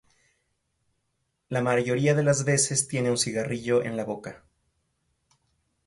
La mayoría de las veces tiene un cigarrillo en la boca.